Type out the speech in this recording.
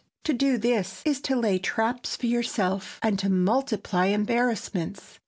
To do this is to lay traps for yourself and to multiply embarrassments.